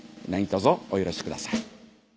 何とぞお許しください。